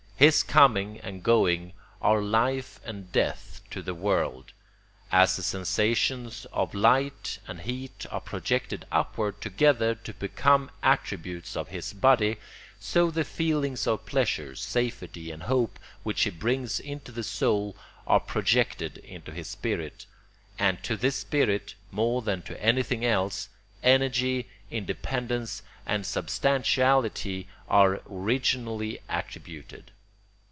His coming and going are life and death to the world. As the sensations of light and heat are projected upward together to become attributes of his body, so the feelings of pleasure, safety, and hope which he brings into the soul are projected into his spirit; and to this spirit, more than to anything else, energy, independence, and substantiality are originally attributed.